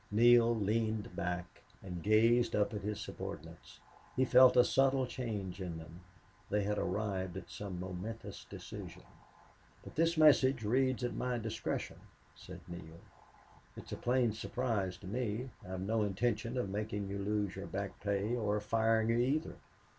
Neale leaned back and gazed up at his subordinates. He felt a subtle change in them. They had arrived at some momentous decision. "But this message reads at my discretion," said Neale. "It's a plain surprise to me. I've no intention of making you lose your back pay, or of firing you, either."